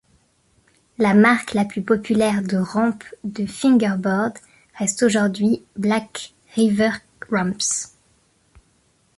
La marque la plus populaire de rampes de fingerboard reste aujourd'hui Blackriver-ramps.